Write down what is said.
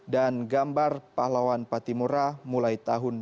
dan gambar pahlawan patimura mulai tahun dua ribu dua ribu enam belas